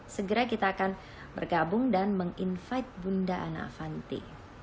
segera kita akan bergabung dan meng invite bunda ana avanti